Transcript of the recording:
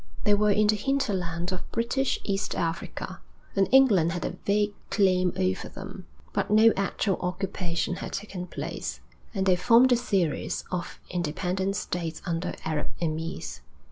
They were in the hinterland of British East Africa, and England had a vague claim over them; but no actual occupation had taken place, and they formed a series of independent states under Arab emirs.